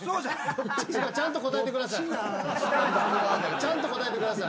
ちゃんと答えてください。